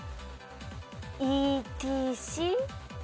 ＥＴＣ？